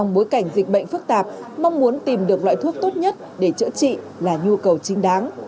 trong bối cảnh dịch bệnh phức tạp mong muốn tìm được loại thuốc tốt nhất để chữa trị là nhu cầu chính đáng